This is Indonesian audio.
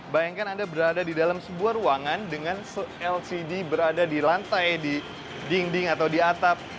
bayangkan anda berada di dalam sebuah ruangan dengan lcd berada di lantai di dinding atau di atap